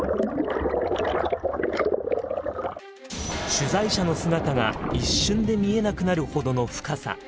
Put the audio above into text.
取材者の姿が一瞬で見えなくなるほどの深さ。